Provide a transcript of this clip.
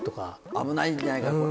危ないんじゃないか。